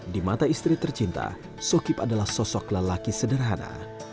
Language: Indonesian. di mata istri tercinta sokip adalah sosok lelaki sederhana